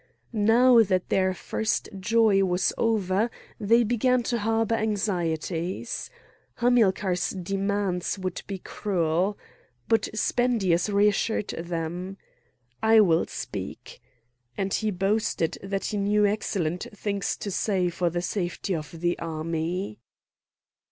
Now that their first joy was over they began to harbour anxieties. Hamilcar's demands would be cruel. But Spendius reassured them. "I will speak!" And he boasted that he knew excellent things to say for the safety of the army.